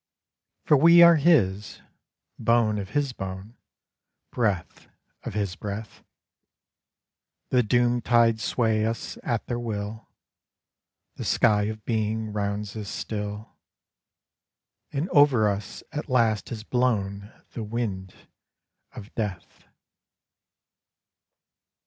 For we are his, bone of his bone, Breath of his breath; The doom tides sway us at their will; The sky of being rounds us still; And over us at last is blown The wind of death.